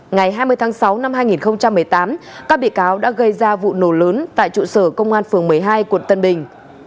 ngày hai mươi tháng sáu năm hai nghìn một mươi tám các bị cáo đã gây ra vụ nổ lớn tại trụ sở công an phường một mươi hai quận tân bình